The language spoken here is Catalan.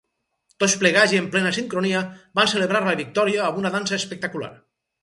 Tots plegats i en plena sincronia, van celebrar la victòria amb una dansa espectacular.